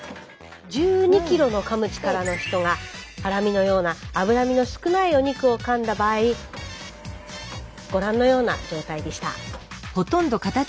１２キロのかむ力の人がハラミのような脂身の少ないお肉をかんだ場合ご覧のような状態でした。